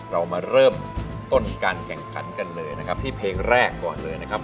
เรามาเริ่มต้นการแข่งขันกันเลยนะครับที่เพลงแรกก่อนเลยนะครับ